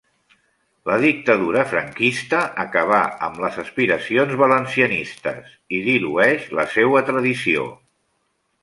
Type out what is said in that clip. La dictadura franquista acabà amb les aspiracions valencianistes, i dilueix la seua tradició.